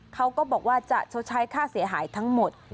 เขาก็บอกว่าจะชดใช้ค่าเสียหายทั้งหมด